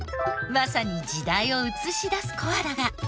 まさに時代を映し出すコアラが。